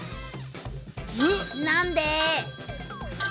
なんで？